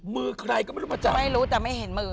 มือใครก็ไม่รู้มาจับไม่รู้แต่ไม่เห็นมือ